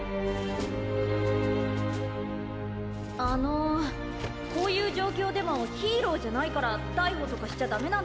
あのこういう状況でもヒーローじゃないから逮捕とかしちゃダメなんですか？